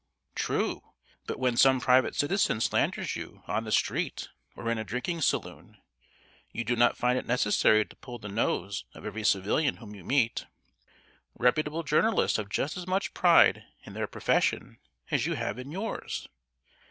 "True; but when some private citizen slanders you on the street or in a drinking saloon, you do not find it necessary to pull the nose of every civilian whom you meet. Reputable journalists have just as much pride in their profession as you have in yours.